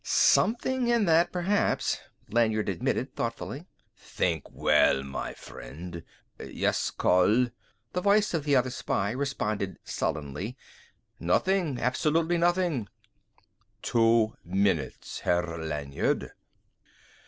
"Something in that, perhaps," Lanyard admitted thoughtfully. "Think well, my friend.... Yes, Karl?" The voice of the other spy responded sullenly: "Nothing absolutely nothing." "Two minutes, Herr Lanyard."